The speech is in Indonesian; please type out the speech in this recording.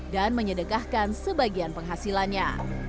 dan menyedekahkan sebagian penghasilannya